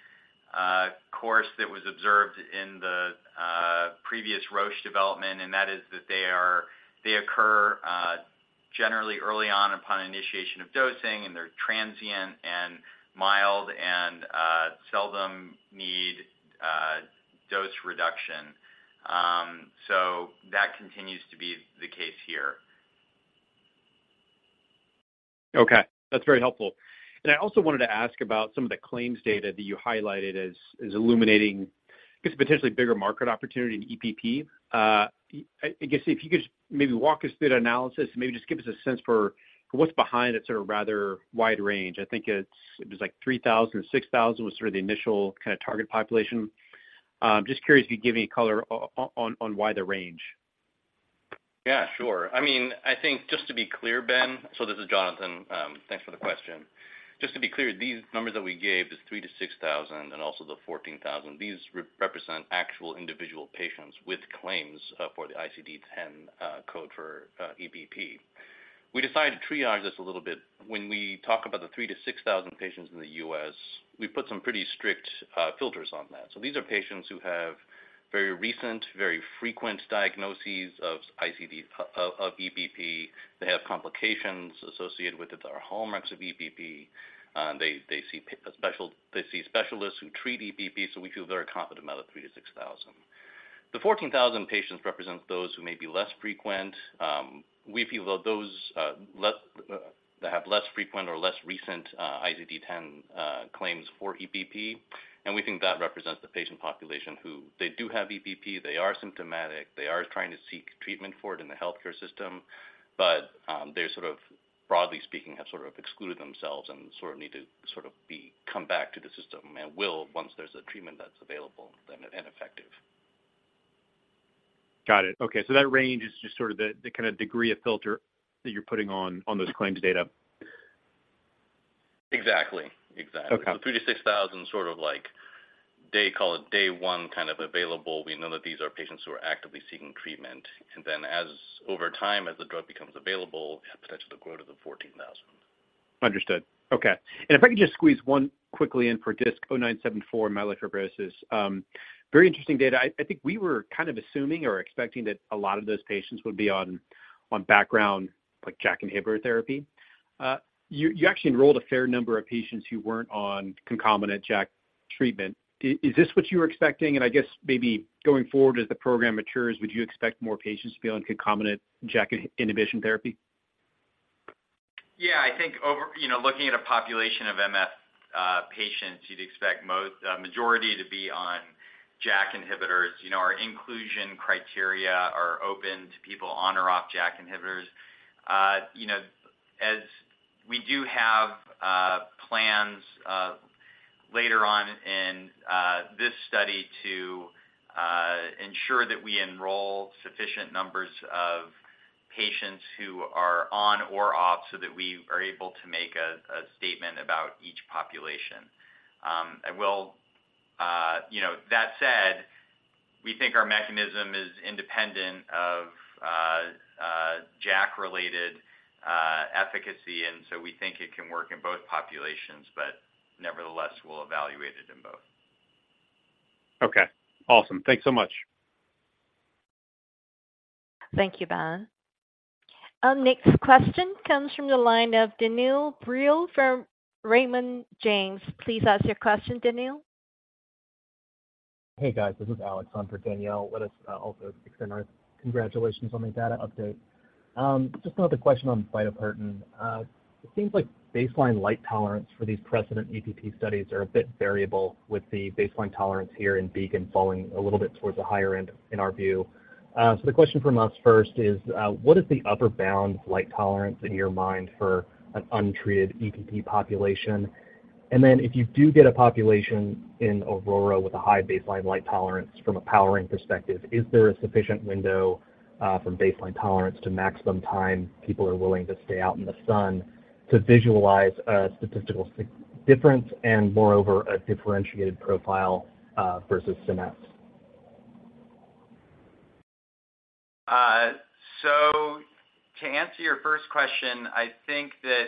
course that was observed in the previous Roche development, and that is that they are-- they occur generally early on upon initiation of dosing, and they're transient and mild and seldom need dose reduction. So that continues to be the case here. Okay, that's very helpful. I also wanted to ask about some of the claims data that you highlighted as, as illuminating, I guess, potentially bigger market opportunity in EPP. I guess, if you could just maybe walk us through that analysis, and maybe just give us a sense for what's behind it, sort of rather wide range. I think it's, it was like 3,000-6,000 was sort of the initial kind of target population. Just curious if you could give me color on why the range. Yeah, sure. I mean, I think just to be clear, Ben, so this is Jonathan. Thanks for the question. Just to be clear, these numbers that we gave, this 3-6,000 and also the 14,000, these represent actual individual patients with claims for the ICD-10 code for EPP. We decided to triage this a little bit. When we talk about the 3-6,000 patients in the U.S., we put some pretty strict filters on that. So these are patients who have very recent, very frequent diagnoses of ICD-10 of EPP. They have complications associated with it, that are hallmarks of EPP, and they see specialists who treat EPP, so we feel very confident about the 3-6,000. The 14,000 patients represents those who may be less frequent. We feel that those that have less frequent or less recent ICD-10 claims for EPP, and we think that represents the patient population who they do have EPP, they are symptomatic, they are trying to seek treatment for it in the healthcare system, but they sort of, broadly speaking, have sort of excluded themselves and sort of need to sort of become back to the system and will, once there's a treatment that's available then, and effective. Got it. Okay, so that range is just sort of the kind of degree of filter that you're putting on those claims data? Exactly. Exactly. Okay. The 3,000-6,000, sort of like, they call it day one, kind of available. We know that these are patients who are actively seeking treatment. And then as over time, as the drug becomes available, it potentially grow to the 14,000. Understood. Okay. And if I could just squeeze one quickly in for DISC-0974 myelofibrosis. Very interesting data. I, I think we were kind of assuming or expecting that a lot of those patients would be on, on background, like JAK inhibitor therapy. You actually enrolled a fair number of patients who weren't on concomitant JAK treatment. Is this what you were expecting? And I guess maybe going forward, as the program matures, would you expect more patients to be on concomitant JAK inhibition therapy? Yeah, I think over, you know, looking at a population of MF patients, you'd expect most majority to be on JAK inhibitors. You know, our inclusion criteria are open to people on or off JAK inhibitors. You know, as we do have plans later on in this study to ensure that we enroll sufficient numbers of patients who are on or off, so that we are able to make a statement about each population. I will, you know... That said, we think our mechanism is independent of a JAK-related efficacy, and so we think it can work in both populations, but nevertheless, we'll evaluate it in both. Okay, awesome. Thanks so much. Thank you, Ben. Our next question comes from the line of Danielle Brill from Raymond James. Please ask your question, Danielle. Hey, guys, this is Alex on for Danielle. Let us also extend our congratulations on the data update. Just another question on vitiligo. It seems like baseline light tolerance for these precedent EPP studies are a bit variable, with the baseline tolerance here in BEACON falling a little bit towards the higher end, in our view. So the question from us first is, what is the upper bound light tolerance in your mind for an untreated EPP population? And then, if you do get a population in AURORA with a high baseline light tolerance from a powering perspective, is there a sufficient window, from baseline tolerance to maximum time people are willing to stay out in the sun to visualize a statistical sig- difference and moreover, a differentiated profile, versus Scenesse? So to answer your first question, I think that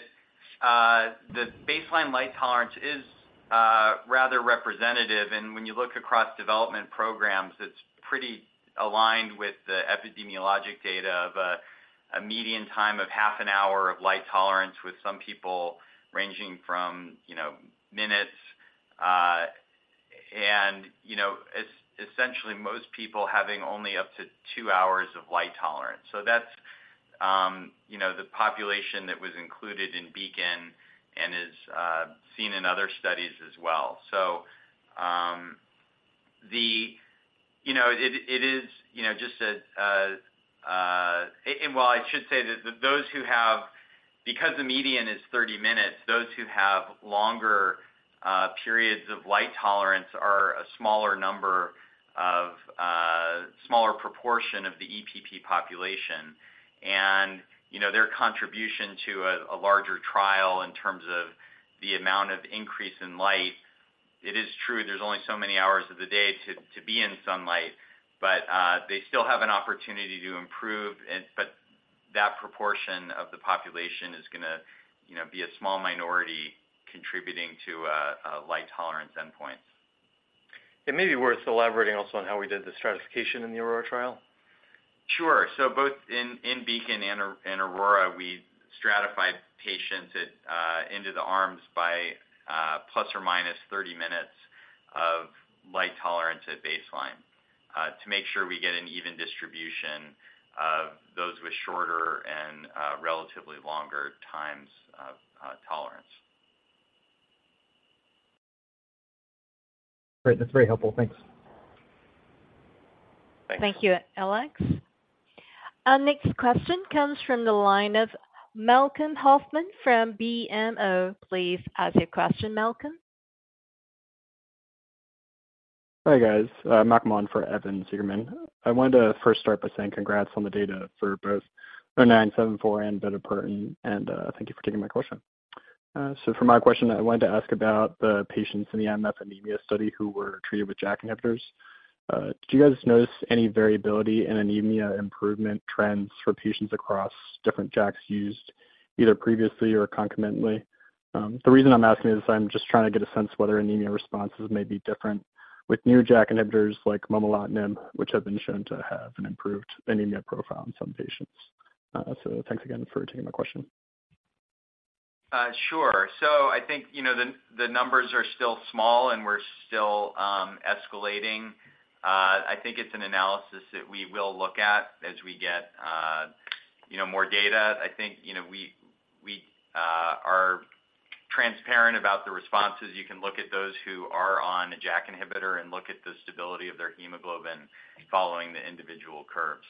the baseline light tolerance is rather representative, and when you look across development programs, it's pretty aligned with the epidemiologic data of a median time of half an hour of light tolerance, with some people ranging from, you know, minutes, and, you know, essentially, most people having only up to 2 hours of light tolerance. So that's, you know, the population that was included in BEACON and is seen in other studies as well. So, you know, it, it is, you know, just a, and well, I should say that those who have—because the median is 30 minutes, those who have longer periods of light tolerance are a smaller number of smaller proportion of the EPP population. you know, their contribution to a larger trial in terms of the amount of increase in light, it is true, there's only so many hours of the day to be in sunlight, but they still have an opportunity to improve, but that proportion of the population is gonna, you know, be a small minority contributing to a light tolerance endpoint. It may be worth elaborating also on how we did the stratification in the AURORA trial. Sure. So both in BEACON and AURORA, we stratified patients into the arms by ±30 minutes of light tolerance at baseline to make sure we get an even distribution of those with shorter and relatively longer times of tolerance. Great. That's very helpful. Thanks. Thanks. Thank you, Alex. Our next question comes from the line of Malcolm Hoffman from BMO. Please ask your question, Malcolm. Hi, guys. Malcolm on for Evan Seigerman. I wanted to first start by saying congrats on the data for both DISC-0974 and bitopertin, and thank you for taking my question. So for my question, I wanted to ask about the patients in the MF anemia study who were treated with JAK inhibitors. Did you guys notice any variability in anemia improvement trends for patients across different JAKs used, either previously or concomitantly? The reason I'm asking is I'm just trying to get a sense whether anemia responses may be different with new JAK inhibitors like momelotinib, which have been shown to have an improved anemia profile in some patients. So thanks again for taking my question. Sure. So I think, you know, the numbers are still small, and we're still escalating. I think it's an analysis that we will look at as we get, you know, more data. I think, you know, we are transparent about the responses. You can look at those who are on a JAK inhibitor and look at the stability of their hemoglobin following the individual curves.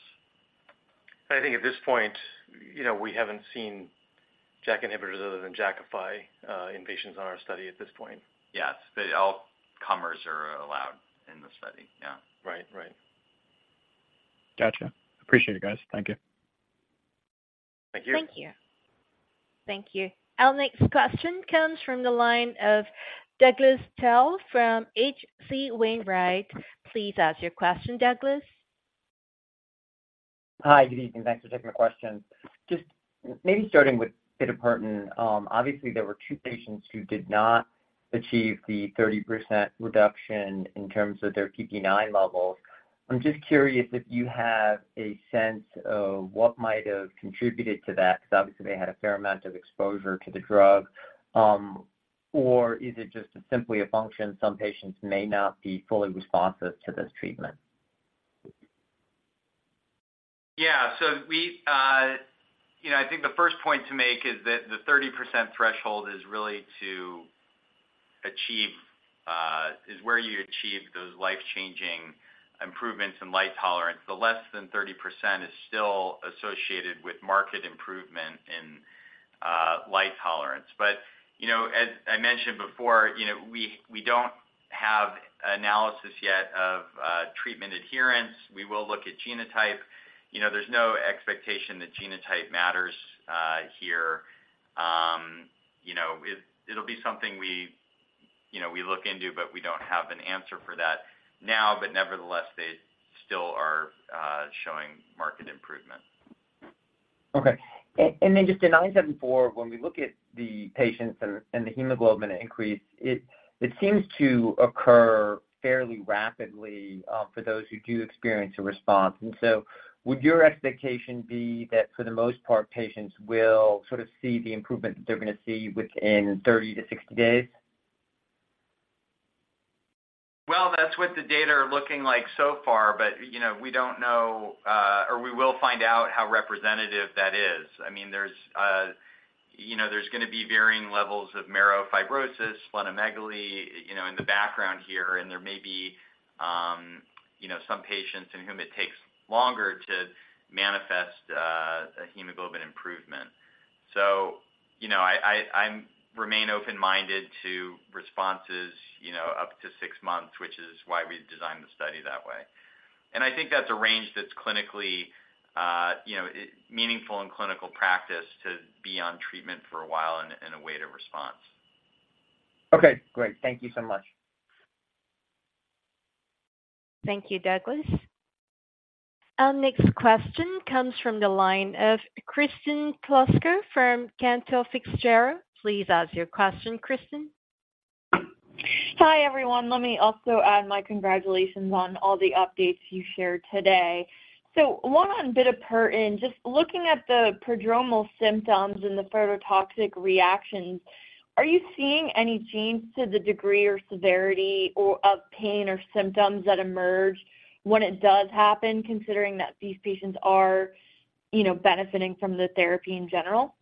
I think at this point, you know, we haven't seen JAK inhibitors other than Jakafi in patients on our study at this point. Yes, but all comers are allowed in the study. Yeah. Right. Right. Gotcha. Appreciate it, guys. Thank you. Thank you. Thank you. Thank you. Our next question comes from the line of Douglas Tsao from H.C. Wainwright. Please ask your question, Douglas. Hi, good evening. Thanks for taking my question. Just maybe starting with bitopertin, obviously there were two patients who did not achieve the 30% reduction in terms of their PpIX levels. I'm just curious if you have a sense of what might have contributed to that, because obviously they had a fair amount of exposure to the drug, or is it just simply a function, some patients may not be fully responsive to this treatment? Yeah. So we, you know, I think the first point to make is that the 30% threshold is really to achieve, is where you achieve those life-changing improvements in light tolerance. The less than 30% is still associated with marked improvement in light tolerance. But, you know, as I mentioned before, you know, we, we don't have analysis yet of treatment adherence. We will look at genotype. You know, there's no expectation that genotype matters, here. You know, it, it'll be something we, you know, we look into, but we don't have an answer for that now. But nevertheless, they still are showing marked improvement. Okay. And then just in DISC-0974, when we look at the patients and the hemoglobin increase, it seems to occur fairly rapidly for those who do experience a response. And so would your expectation be that for the most part, patients will sort of see the improvement that they're gonna see within 30-60 days? Well, that's what the data are looking like so far, but, you know, we don't know, or we will find out how representative that is. I mean, there's, you know, there's gonna be varying levels of marrow fibrosis, splenomegaly, you know, in the background here, and there may be, you know, some patients in whom it takes longer to manifest, a hemoglobin improvement. So you know, I, I, I'm remain open-minded to responses, you know, up to six months, which is why we designed the study that way. And I think that's a range that's clinically, you know, meaningful in clinical practice to be on treatment for a while and, and await a response. Okay, great. Thank you so much. Thank you, Douglas. Our next question comes from the line of Kristen Kluska from Cantor Fitzgerald. Please ask your question, Kristen. Hi, everyone. Let me also add my congratulations on all the updates you shared today. So one on bitopertin, just looking at the prodromal symptoms and the phototoxic reactions, are you seeing any change to the degree or severity or, of pain or symptoms that emerge when it does happen, considering that these patients are, you know, benefiting from the therapy in general?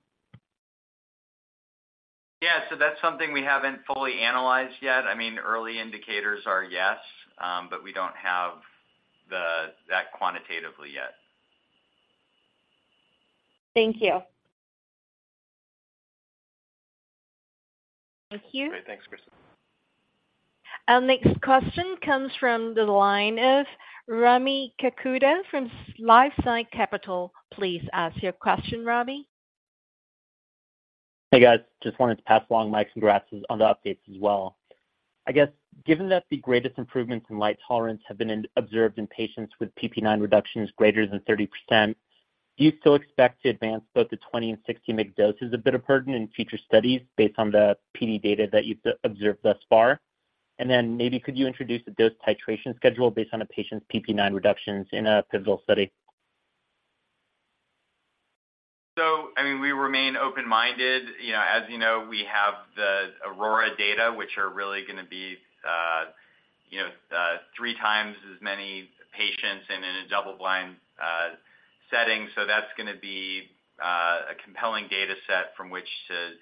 Yeah, so that's something we haven't fully analyzed yet. I mean, early indicators are yes, but we don't have that quantitatively yet. Thank you.... Thank you. Great. Thanks, Kristen. Our next question comes from the line of Rami Katkhuda from LifeSci Capital. Please ask your question, Rami. Hey, guys. Just wanted to pass along my congrats on the updates as well. I guess, given that the greatest improvements in light tolerance have been observed in patients with PpIX reductions greater than 30%, do you still expect to advance both the 20 and 60 mg doses of bitopertin in future studies based on the PD data that you've observed thus far? And then maybe could you introduce a dose titration schedule based on a patient's PpIX reductions in a pivotal study? So, I mean, we remain open-minded. You know, as you know, we have the AURORA data, which are really gonna be, you know, three times as many patients and in a double-blind setting. So that's gonna be a compelling data set from which to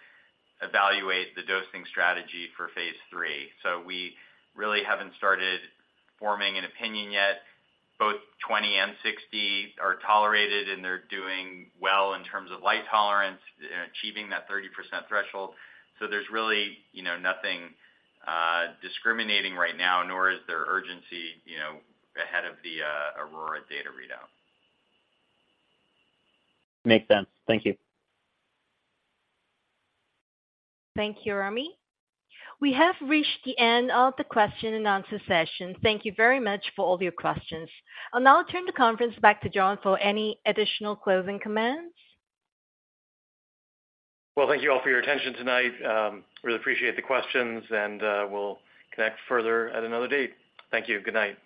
evaluate the dosing strategy for phase 3. So we really haven't started forming an opinion yet. Both 20 and 60 are tolerated, and they're doing well in terms of light tolerance and achieving that 30% threshold. So there's really, you know, nothing discriminating right now, nor is there urgency, you know, ahead of the AURORA data readout. Makes sense. Thank you. Thank you, Rami. We have reached the end of the question and answer session. Thank you very much for all your questions. I'll now turn the conference back to John for any additional closing comments. Well, thank you all for your attention tonight. Really appreciate the questions, and we'll connect further at another date. Thank you. Good night.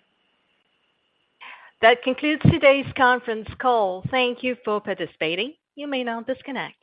That concludes today's conference call. Thank you for participating. You may now disconnect.